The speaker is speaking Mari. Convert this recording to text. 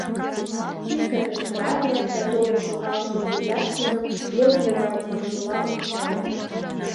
— Тимка кычкырале да толын шогалше Девяткиным «вот могай» маншыла ончале.